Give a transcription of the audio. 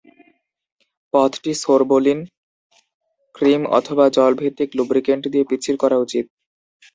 পথটি sorbolene cream অথবা জল-ভিত্তিক লুব্রিকেন্ট দিয়ে পিচ্ছিল করা উচিত।